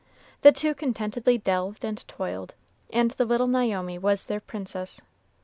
The two contentedly delved and toiled, and the little Naomi was their princess.